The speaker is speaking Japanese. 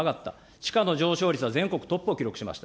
地価の上昇率は全国トップを記録しました。